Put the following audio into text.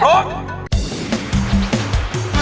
มาฟังอินโทรเพลงที่๑๐